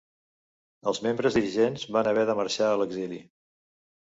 Els membres dirigents van haver de marxar a l'exili.